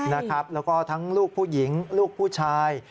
แล้วก็ทั้งลูกผู้หญิงลูกผู้ชาย